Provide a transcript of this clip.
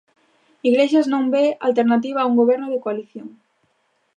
Iglesias non ve alternativa a un goberno de coalición.